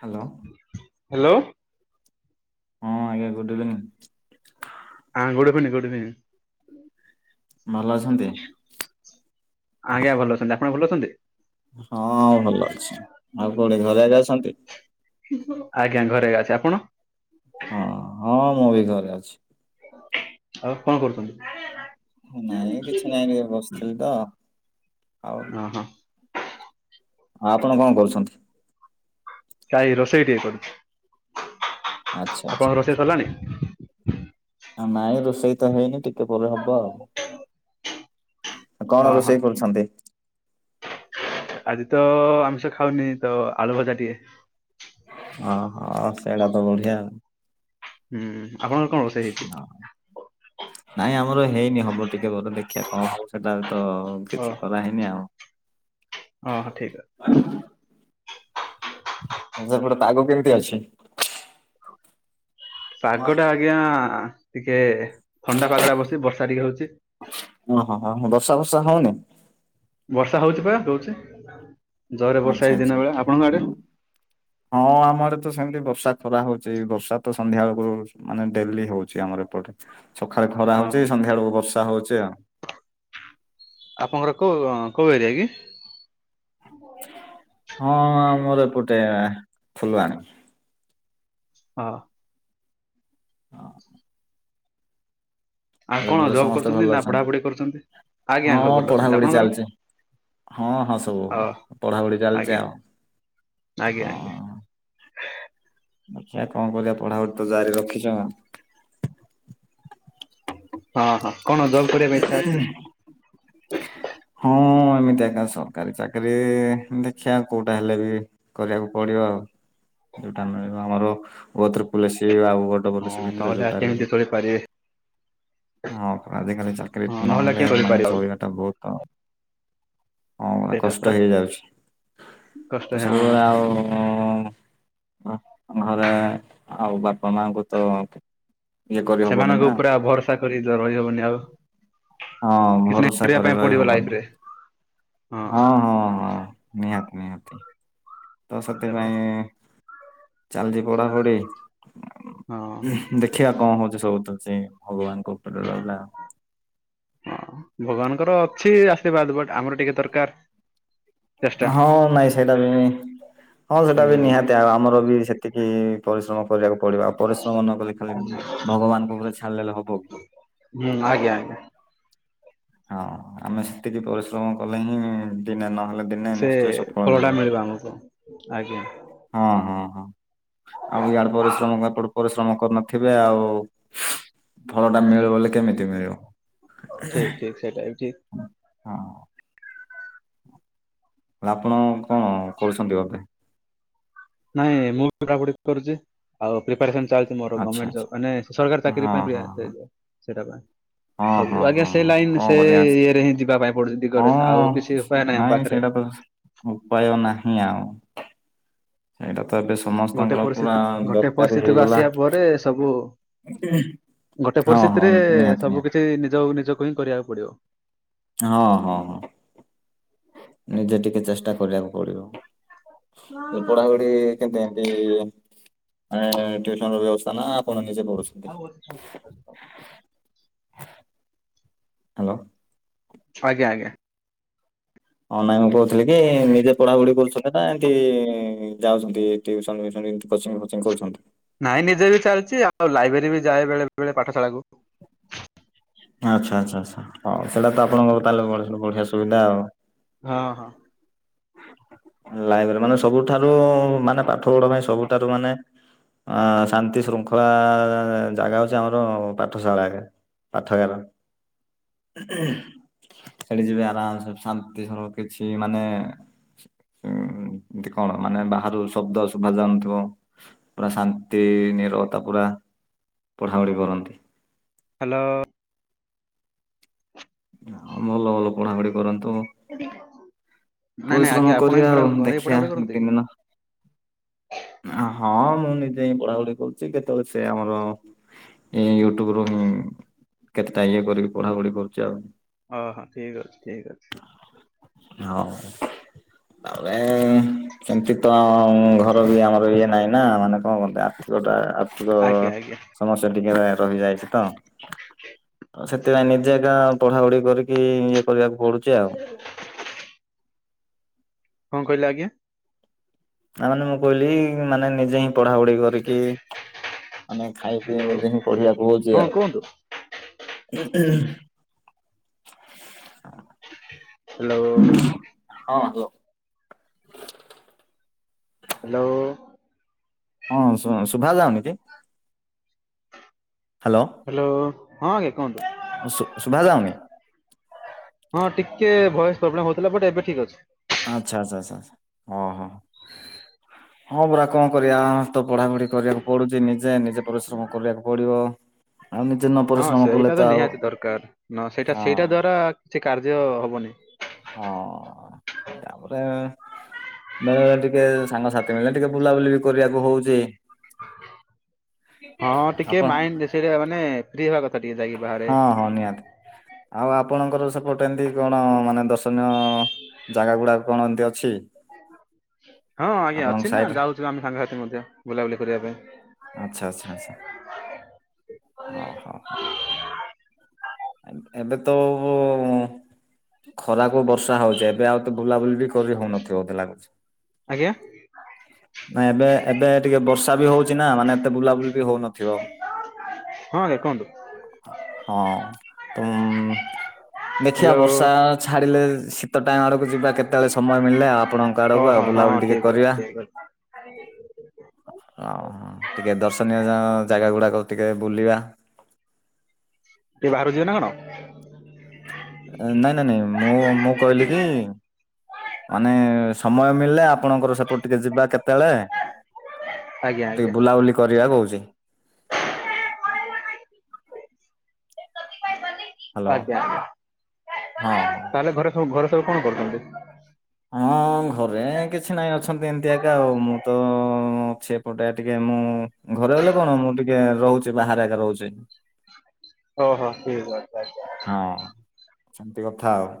Hello hello. ହଁ ଆଜ୍ଞା ଗୋଟେ ଦିନ୍। ହଁ ଗୁଡ ଭିନ ଗୁଡ ଭିନ ଭଲ ଅଛନ୍ତି? ଆଜ୍ଞା ଭଲ ଅଛନ୍ତି ଆପଣ ଭଲ ଅଛନ୍ତି? ହଁ ଆଉ ଭଲ ଅଛି। ଆଉ କୋଉଠି ଘରେ ଆଡେ ଅଛନ୍ତି। ଆଜ୍ଞା ଘରେ ଅଛି। ଆପଣ? ହଁ ହଁ ମୁଁ ବି ଘରେ ଅଛି। ଆଉ କଣ ନାଇଁ କିଛି କରୁଛନ୍ତି? ନାଇଁ ଟିକେ ବସିଥିଲି ତ ଓ ହଁ। ଆ ଆପଣ କଣ କରୁଛନ୍ତି? କାଇ ରୋଷେଇ ଟିକେ କରଛି ଆଚ୍ଛା ଆଚ୍ଛା ଆପଣଙ୍କ ରୋଷେଇ ସରିଲାଣି? ଆଉ ନାଇଁ ରୋଷେଇ ତ ହେଇନି ଟିକେ ପରେ ହବ ଆଉ କଣ ଓହୋ ରୋଷେଇ କରୁଛନ୍ତି? ଆଜି ତ ଆମଷ ଖାଉନି ତ ଆଳୁ ଭଜାଟିଏ ଓ ହଁ ସେଇଟା ତ ବଢିଆ ଆ ହୁଁ ଆପଣଙ୍କର କଣ ରୋଷେଇ ହେଇଛି? ମୋର ହେଇନି ହବ ଟିକେ ବ ଦେଖିବା କଣ ହଉ ସେଟା ତ ଓ କିଛି କରା ହେଈନି ଓହୋ ଠିକ ଆଉ ସ ଗୋଟେ ପାଗ କେମିତି ଅଛି? ପାଗ ଟା ଆଜ୍ଞା ଟିକେ ଥଣ୍ଡା ପାଗଟା ବସି ବର୍ଷା ଟିକେ ହଉଛି ହଁ ହଁ ବର୍ଷା ବର୍ଷା ହଉନି? ବର୍ଷା ହଉଛି ପା କହୁଛି। ଜୋରେ ଆଚ୍ଛା ବର୍ଷା ହେଇଛି ଆଚ୍ଛା ଦିନ ବେଳେ ଆପଣଙ୍କ ଆଡେ ହଁ ଆମ ଆଡେ ସେମିତି ବର୍ଷା ଖରା ହଉଛି ବର୍ଷା ତ ସନ୍ଧ୍ୟା ବେଳକୁ ମାନେ ଡେଲି ହଉଛି ଆମର ଏପଟେ ସକାଳେ ଖରା ହଉଚି ଓହୋ ସନ୍ଧ୍ୟା ବଳକୁ ବର୍ଷା ହଉଚି ଆଉ ଆପଣଙ୍କର କୋଉ କୋଉ ଏରିଆ କି? ହଁ ମୋର ଏପଟେ ଫୁଲବାଣୀ ହଁ। ଆଉ ହେଲେ କଣ ଘରେ ଜବ୍ ସମସ୍ତେ କରୁଛନ୍ତି ଭଲ ନା ଅଛନ୍ତି ପଢାପଢି କରୁଛନ୍ତି? ଆଜ୍ଞା ହଁ ଭଲ ଅଛନ୍ତି ପଢାପଢି ଆପଣଙ୍କର? ଚାଲିଛି। ହଁ ହଁ ସବୁ ଓ ପଢାପଢି ଚାଲିଛି ଆଜ୍ଞା ଆଉ ଆଜ୍ଞା ଆଜ୍ଞା ହଁ ଆଛା କଣ କରିବା ପଢାପଢି ତ ଜାରି ରଖିଛ ହଁ ହଁ କଣ ଜବ୍ କରିବା ପାଇଁ ଇଚ୍ଛା ଅଛି? ହଁ। ଏମିତି ଆଜ୍ଞା ସରକାରୀ ଚାକିରରି ଦେଖିବା କୋଉଟା ହେଲେ ବି କରିବାକୁ ପଡିବ ଆଉ [unintelligible] ଯୋଉଟାଳ ଆମର ବତରେ କଲସୀ ଆଉ [unintelligible] ହଁ [unintelligible] ଭିତରେ ନହେଲେ ଆ ଯୋଉଟା ହେଲେ ବି କେମିତି ଚଳିପାରିବେ ହଁ ଆା [unintelligible] ଚାକିରୀ ହଁ ନହେଲେ କିଏ ମାନେ ଚଳିପାରିବ ଆଉ ଚଳିବା ଟା ବହୁତ ହଁ ଗୋଟେ ସେଇଟା କଷ୍ଟ ପୁରା ହେଇଯାଉଛି କଷ୍ଟ ତ ହଁ। ସବୁବେଳେ ଆଉଁ ଘରେ ଆଉ ବାପା ମାଙ୍କୁ ତ ଇଏ କରିହବନି ସେମାନଙ୍କ ନା ଉପରେ ଆଉ ଭରସା କରି ତ ରହିହବନି ଆଉ ହଁ କିଛି ନାହିଁ ଭରସା କରିବା କରି ପାଇଁ ରହି ପଡିବ ହବନି ଲାଇଫରେ ହଁ ହଁ ହଁ ନିହାତି ନିହାତି ତ ସେଟା ପରା ସେଥିପାଇଁ ଚାଲିଛି ପଢାପଢି ହଁ ହଁ ଦେଖିବା କଣ ହଉଛି ସବୁ ତ ସେ ଭଗବାନ [unintelligible] କଟଲା ହଁ। [unintelligible] ତାଙ୍କର ଅଛି ଆଶୀର୍ବାଦ ବଟ୍ ଆମର ଟିକେ ଦରକାର ଚେଷ୍ଟା ହଁ ନାଇଁ ସେଇଟା ବି ହଁ ସେଟା ହୁଁ। ବି ନିହାତି ଆଉ ଆମର ବି ସେ ଏତିକି ପରିଶ୍ରମ କରିବାକୁ ପଢିବା ପରିଶ୍ରମ ନ କଲେ ଖାଲି ଭଗବାନଙ୍କ ଉପରେ ଛାଡିଦେଲେ ହବ କି? ହୁଁ ଆଜ୍ଞା ଆଜ୍ଞା ହଁ ଆମେ ସେତିକି ପରିଶ୍ରମ କଲେ ହିଁ ଦିନେ ନହେ ଦିନେ ସେ ନିଶ୍ଚୟ ସଫଳ ଫଳଟା ମିଳିବ ଆମକୁ। ଆଜ୍ଞା ହଁ ହଁ। ହଁ ଆଉ ଇଆଡ଼େ ପରିଶ୍ରମ ନାଇଁ ପଡବ। ପରିଶ୍ରମ କରୁନଥିବେ ଆଉ ଫଳ ଟା ମିଳିବ ବୋଲି କେମିତି ମିଳିବ। ଠିକ ଠିକ ସେଟା ବି ଠିକ। ହଁ ଆପଣ କଁ କରୁଛନ୍ତି ବୋଧେ। ନାଇଁ ମୁଁ ପଢ଼ାପୁଢ଼ି କରୁଚି ଆଉ ପ୍ରିପାରେସନ୍ ଚାଲିଚି ମୋରୋ ଆଚ୍ଛା ଗମେଣ୍ଟେ ଆଚ୍ଛା ଜବ ମାନେ ସରକାର ଚାକିରି ହଁ ପାଇଁ ହଁ ପ୍ରିୟା ହଁ। ସେ ସେଟା ପାଇଁ ହଁ ହଁ ସବୁ ଆଜ୍ଞା ହଁ ସେ ଲାଇନ କଣ ସେ କରିବା ଇଏରେ ହିଁ ଯିବା ପାଇଁ ପଡୁଚି ଦିଗରେ ଆଉ କିଛି ଉପାୟ ନାହିଁ ଆମ ପାଖରେ। ଅପ ଉପାୟ ନାହିଁ ଆଉ ସେଇଡା ତ ଏବେ ଗୋଟେ ସମସ୍ତଙ୍କର ପୁରା ପରିସ୍ଥିତି ଗୋଟେ ଦରକାରୀ ପରିସ୍ଥିତିକୁ ହେଇଗଲା। ଆସିବା ପରେ ସବୁ ଗୋଟେ ହଁ ହଁ ପରିସ୍ଥିତିରେ ନିହାତି ସବୁ ନିହାତି କିଛି ନିଜକୁ ନିଜକୁ ହିଁ କରିବାକୁ ପଡିବ। ହଁ ହଁ ହଁ ନିଜେ ଟିକେ ଚେଷ୍ଟା କରିବାକୁ ପଡିବ। ଏଁ ପଢାପଢି କେମିତି ଏମିତି ଆଁ ଟିଉସନ୍ ର ବ୍ୟବସ୍ଥା ନା କଣ ନିଜେ ପଢ଼ୁଛନ୍ତି। ହାଲୋ। ଆଜ୍ଞା ଆଜ୍ଞା। ହଁ ନାଇଁ ମୁଁ କୋହୁଥିଲି କି ନିଜେ ପଢାପଢି କରୁଛନ୍ତି ନା ଏମିତି ଯାଉଛନ୍ତିୁ ଟିଉସନ୍ ଫିଉସନ୍ ଏମିତି ନାଇଁ ନିଜେ ବି ଚାଲିଚି ଆଉ ଲାଇବେରୀ ବି ଯାଏ ବେଳେ ବେଳେ ପାଠଶାଳା କୁ। ଆଚ୍ଛା ଆଚ୍ଛା ଆଚ୍ଛା ହଉ ସେଇଟା ତ ଆପଣଙ୍କ ତାହେଲେ ବଢ଼ି ବଢିଆ ସୁବିଧା ଆଉ। ହଁ ହଁ। ଲାଇବ୍ରେରୀ ମାନେ ସବୁଠାରୁ ମାନେ ପାଠ ପଢା ପାଇଁ ସବୁଠାରୁ ମାନେ ଆଁ ଶାନ୍ତି ଶୃଙ୍ଖଳା ଜାଗା ହୋଉଚି ଆମର ପାଠଶାଳା ଆଗେ। ପାଠଗାର। ସେଠି ଯିବେ ଆରାମ୍ ସେ ଶାନ୍ତି ସବୁ କିଛି ମାନେ ହୁଁ। ହୁଁ ଏମିତି କଣ ମାନେ ବାହାରୁ ଶବ୍ଦ ଶୁଭାଯାଉନଥିବ। ପୁରା ଶାନ୍ତି ନିରବତା ପୁରା ରା ପଢ଼ାପଢ଼ି କରନ୍ତି। ହାଲୋ। ଆଉ ଭଲ ଭଲ ପଢାପଢି କରନ୍ତି। ଏ ପରିଶ୍ରମ କରିବା ଆଉ ଦେଖିବା ଗୋଟେ କି? ଦିନ ଓହୋ। ହଁ ମୁଁ ନିଜେ ହିଁ ପଢା ପଢି କରୁଛି କେତେବେଳେ ସେ ଆମର ଏ ୟୁଟ୍ୟୁବ ରୁ ହିଁ କେତେଟା ଇଏ କରିକି ପଢା ପଢି କରୁଛି ଆଉ। ଓ ହୋ ଠିକ ଅଛି ଠିକ ଅଛି। ହଁ ତାହଲେ ଏମତି ତ ଘର ବି ଆମର ଇଏ ନାଇଁ ନା ମାନେ କଣ କହନ୍ତି ଆର୍ଥିକତା। ତ ଆଜ୍ଞା ଆଜ୍ଞା ସମସ୍ୟା ଟିକେ ରହିଯାଇଛି ତ। ସେଥିପାଇଁ ନିଜେ ଏକା ପଢାପଢି କରିକି ଇଏ କରିବାକୁ ପଡୁଛି ଆଉ। କର କଣ କହିଲେ ଆଜ୍ଞା। ନା ମାନେ ମୁଁ କହିଲି ମାନେ ନିଜେ ହିଁ। ପଢା ପଢି କରିକି ମାନେ ଖାଇ ପିଇ ହ୍ୟାଲୋ। ନିଜେ ହିଁ ପଢିବାକୁ ହଉଛି ହଁ ଆଉ। କୁହନ୍ତୁ। ଉହୁଁ ଉହୁଁ। ହ୍ୟାଲୋ। ହଁ ହାଲୋ। ହାଲୋ। ହଁ ସୁନ୍ ଶୁଭାଯାଉନି କି। ହାଲୋ ହ୍ୟାଲୋ ହଁ ଆଜ୍ଞା କୁହନ୍ତୁ। ହଁ ସୁ ଶୁଭା ଯାଉନି। ହଁ ଟିକେ ଭଏସ୍ ପ୍ରୋବ୍ଲେମ୍ ହୋଉଥିଲା ବଟ୍ ଏବେ ଠିକ ଅଛି। ଆଚ୍ଛା ଛା ଛା ହଁ ହଁ। ହଁ ପରା କଣ କରିବା ତ ପଢାପଢି କରିବାକୁ ପଡୁଛି ନିଜେ ନିଜେ ପରିଶ୍ରମ କରିବାକୁ ପଡିବ। ଆଉ ନିଜେ ନ ହଁ ପରିଶ୍ରମ କଲେ ସେଇଟା ତ ଆଉ ନିହାତି ଦରକାର ନ ସେଇଟା ହଁ ସେଇଟା ଦ୍ଵାରା କିଛି କାର୍ଯ୍ୟ ହବନି। ହଁ ତାପରେ ବେଳେବେଳେ ଟିକେ ସାଙ୍ଗସାଥି ମିଳିଲେ ଟିକେ ବୁଲାବୁଲି ବି କରିବାକୁ ହୋଉଚି। ହଁ ଟିକେ ମାଇଣ୍ଡ ସେରେଇବା ମାନେ ଫ୍ରି ହବା କଥା ଟିକେ ଯାଇକି ହଁ ହଁ ନିହାତି। ବାହାରେ। ଆଉ ଆପଣଙ୍କର ସେପଟେ ଏମିତି କଣ ମାନେ ଦର୍ଶନୀୟ ଜାଗା ଗୁଡ଼ାକ କଣ ଏମତି ଅଛି? ହଁ ଆଜ୍ଞା ଆପଣଙ୍କ ଅଛି ନା ସାଇଡରେ ଯାଉଛୁ ଆମେ ସାଙ୍ଗସାଥି ମଧ୍ୟ ବୁଲାବୁଲି କରିବା ପାଇଁ। ଆଚ୍ଛା ଆଚ୍ଛା ଆଚ୍ଛା। ହଉ ହଉ ହଉ ଏବେ ତ ଅ ଖରାକୁ ବର୍ଷା ହଉଛି ଏବେ ଆଉ ବୁଲାବୁଲି ବି କରି ହୋଉନଥିବ ବୋଧେ ଲାଗୁଛି। ଆଜ୍ଞା ନାଇଁ ଏବେ ଏବେ ଟିକେ ବର୍ଷା ବି ହୋଉଛି ନା ମାନେ ଏତେ ବୁଲାବୁଲି ବି ହୋଇନଥିବ। ହଁ ଆଜ୍ଞା କୁହନ୍ତୁ। ହଁ ତ ଦେଖିବା ହ୍ୟାଲୋ। ବର୍ଷା ଛାଡିଲେ ଶୀତ ଟାଇମ ଆଡକୁ ଯିବା କେତେବେଳେ ସମୟ ମିଳିଲେ ଆ ଆପଣଙ୍କ ଆଡ଼କୁ ଆଉ ଓହୋ ହଁ ବୁଲାବୁଲି ଟିକେ ଠିକ ଅଛି କରିବା। ଠିକ ଅଛି ଅ ହ ଟିକେ ଦର୍ଶନୀୟ ଜ ଜାଗା ଗୁଡ଼ାକ ଟିକେ ବୁଲିବା। ଟିକେ ବାହାରୁ ଯିବେ ନା କଣ? ନାଇଁ ନାଇଁ ନାଇଁ ମୁଁ-ମୁଁ କହିଲି କି ମାନେ ସମୟ ମିଳିଲେ ଆ ପଣଙ୍କର ସେପଟ ଟିକେ ଯିବା କେତେବେଳେ ଆଜ୍ଞା ଟିକେ ଆଜ୍ଞା ବୁଲାବୁଲି କରିବା କହୁଛି। ହ୍ୟାଲୋ ଆଜ୍ଞା ହଁ ହଁ ତାହେଲେ ଘରେ ସବୁ ଘରେ ସବୁ କଣ କରୁଛନ୍ତି? ହଁ ଘରେ କିଛି ନାଇଁ ଅଛ୍ ନ୍ତି ଏମିତି ଏକା ଆଉ ମୁଁ ତ ଅଛି ଏପଟେ ଟିକେ ମୁଁ ଘରେ ଗଲେ କଣ ମୁଁ ଟି କେ ରହୁଛି ବାହାରେ ଏକା ରହୁଛି। ଓହୋ ଠିକ୍ ଅଛି। ହଁ ସେମିତି କଥା ଆଉ।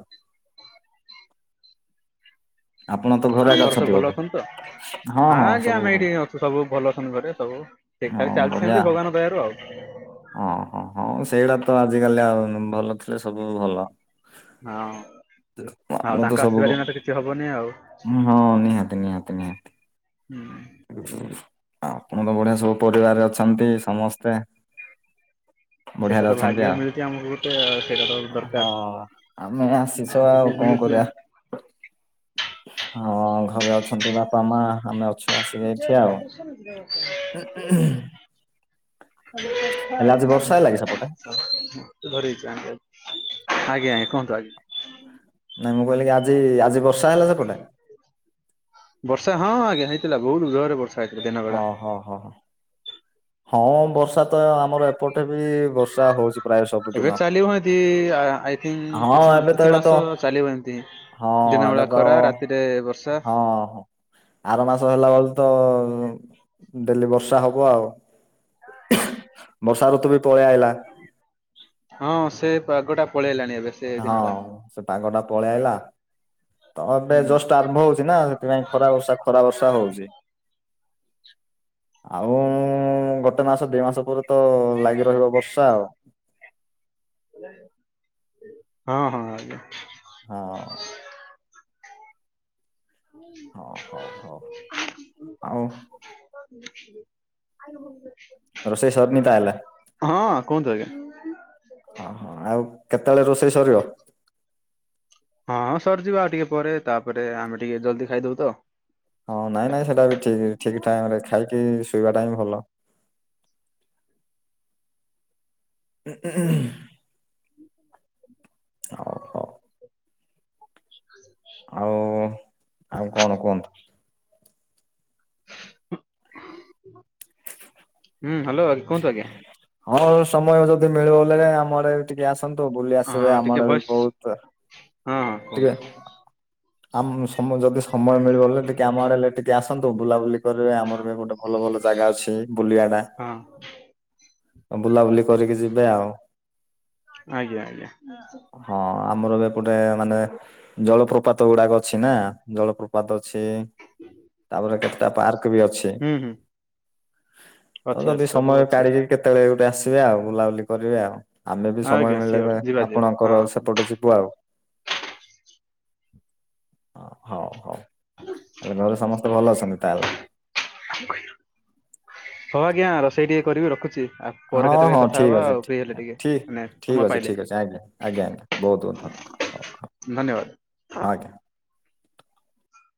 ଆପଣ ତ ଘରେ ଆଉ ଏକା ଘର ସବୁ ଭଲ ବୋଧେ ଅଛନ୍ତି ତ? ହଁ ଆଜ୍ଞା ଆମେ ଏଇଠି ଅଛୁ ସବୁ ଭଲ ସଙ୍ଗରେ ସବୁ ଠିକ୍ ଠାକ୍ ଚାଲିଚି ସେମିତି ଭଗବାନଙ୍କ ଦୟାରୁ ଆଉ। ଓ ହଁ ହଁ ସେଇଟା ତ ଆଜିିକାଲି ଆଉ ଭଲ ଥିଲେ ସବୁ ଭଲ। ହଁ ଆଉ ଆପଣ ତାଙ୍କ ତ ସବୁ ଆଶୀର୍ବାଦ ବ ବିନା ତ କିଛି ହବନି ଆଉ। ହଁ ନିହାତି ନିହାତି ନିହା ହୁଁ। ଆପଣତ ବଢିଆ ସବୁ ପରିବାରରେ ଅଛନ୍ତି ସମସ୍ତେ। ସେଇଟା ବଢିଆରେ ତ ଅଛନ୍ତି ଭାଗ୍ୟ ଆ ମିଳୁଛି ଆମକୁ ଗୋଟେ ସେଇଟା ତ ଦରକାର। ହଁ ଆମେ ଆସିଛୁ ଆଉ ଟିକେ କଣ ମିଳୁଛି କରିବା, ହଁ ଘରେ ଅଛନ୍ତି ବାପା ମା ଆମେ ଅଛୁ ଆସିକି ଏଇଠି ଆଉ। ଥରେ ହେଲେ ଆଜି ବର୍ଷା ହି ହେଲା କି ସେପଟେ ଚାହା ପିଅ ଆଜ୍ଞା ଆଜ୍ଞା କୁହନ୍ତୁ ଆଜ୍ଞା। ମୁଁ କହିଲିକି ଆଜି ଆଜିିବ ବର୍ଷା ହଁ ଆଜ୍ଞା ହେଇଥିଲା ବହୁତ ଜୋରେ ବର୍ଷ୍ ଓ ହୋ ହୋ ହ। ହଁ ବର୍ଷା ତ ଆମର ଏପଟେ ବି ବର୍ଷା ହୋଉଛି। ଏବେ ଚାଲିବ ଏତି ଆ-ଆଇ ଥିଙ୍କ୍ ହଁ କିଛି ମା ଏବେ ତ କିଛି ଏଇଟା ତ ମାସ ଚାଲିବ ଏନ୍ତି। ହଁ ଏଇଟା ତ ହଁ ଆର ମାସ ହେଲା ବେଲୁ ତ ଉଁ ଡେଲି ବର୍ଷା ହବ ଆଉ। ବର୍ଷା ଋତୁ ବି ପଳେଇ ଆଇଲା। ହଁ ସେ ପାଗଟା ପଳେଇ ଆଇଲାଣି ହଁ ସେ ପାଗ ଟା ପଳେଇ ଆଇଲା। ତ ଏବେ ହୁଁ ଜଷ୍ଟ ଆରମ୍ଭ ହଉଛି ନା ସେଥିପାଇଁ ଖରା ବର୍ଷା ଖରା ବର୍ଷା ହଉଛି। ଆଉ ଉଁ ଗୋଟେ ମାସ ଦିଇ ମାସ ପରେ ତ ଲାଗି ରହିବ ବର୍ଷା ଆଉ। ହଁ ହଁ ଆଜ୍ଞା। ହଁ। ହଁ ହଉ ହଉ ଆଉ। [unintelligible] ରୋଷେଇ ସରିନୀ ତା ହେଲେ? ହୁଁ। ହଁ ହଁ ଆଉ କେତେବେଳେ ରୋଷେଇ ସରିବ? ହଁଁ ସରିଯିବା ଆଉ ଟିକେ ପରେ ତାପରେ ଆମେ ଟିକେ ଜଲଦି ଖାଇଦବୁ ତ। ହଁ ନାଇଁ ନାଇଁ ସେଇଟା ବି ଠିକ ଠିକ ଟାଇମ ରେ ଖାଇକି ଶୋଇବା ଟା ହି ଭଲ। ଉ ଉଁ ହୁଁ। ହଉ ହଉ। ଆଉ ଆଉ କଣ କୁହନ୍ତୁ? ହୁଁ ହ୍ୟାଲୋ କୁହନ୍ତୁ ଆଜ୍ଞା? ହଁ ସମୟ ଯଦି ମିଳିବଲେ ଆମର ଟିକେ ଆସ ଆସନ୍ତୁ ବୁଲି ଆସିବେ ହଁ ଟିକେ ଆମର ବି ଭଏସ ବହୁତ ହଁ ହଁ ଟିକେ କୁହନ୍ତୁ? ଆମ ସମ ଯଦି ସମୟ ମିଳିବଲେ ଟିକେ ଆମ ଆଡେ ଟିକେ ଆସନ୍ତୁ ବୁଲାବୁଲି କରିବେ ଆମର ବି ଗୋଟେ ଭଲ ଭଲ ଜାଗା ଅଛି। ବୁଲିବା ଟା ହଁ ବୁଲାବୁଲି କରିକି ଯିବେ ଆଉ। ଆଜ୍ଞା ଆଜ୍ଞା ହଁ ଆମର ଗୋଟେ ମାନେ ଜଳପ୍ରପାତ ଗୁଡାକ ଅଛି ନା ଜଳପ୍ରପାତ। ଅଛି ତାପରେ କେତେଟା ପାର୍କ ବି ଅଛି। ହୁଁ ହୁଁ ତ ଅଛି ଅଛି ଯଦି ସବୁ ସମୟ ଅଛି। କାଢିକି କେତେବେଳେ ଗୋଟେ ଆସିବେ ଆଉ ବୁଲାବୁଲି କରିବେ ଆଉ। ଆମେ ବି ସମୟ ଆଜ୍ଞା ସିଓର ମିଳେ ଯିବା ଯିବା ଆପଣଙ୍କର ହଁ। ଆଉ ସେପଟ ଯିବୁ ଆଉ। ହଉ ହଉ ତାଲେ ଘରେ ସମସ୍ତେ ଭଲ ଅଛନ୍ତି? ତାହେଲେ ହଁ ଆଜ୍ଞା ରୋଷେଇ ଟିକେ କରିବି ରଖୁଛି। ଆଉ ପରେ ହଁ କେତେବେଳେ ହଁ କଥା ଠିକ ହବା ଅଛି ଆଉ ଫ୍ରି ହେଲେ ଟିକେ ଠିକ ମାନେ ଠିକ ସମୟ ଅଛି ପାଇଲେ ଠିକ ଅଛି ଆଜ୍ଞା ଆଜ୍ଞା ଆଜ୍ଞା ବହୁତ ବହୁତ ଧନ୍ୟ। [unintelligible] ଧନ୍ୟବାଦ। ଆଜ୍ଞା।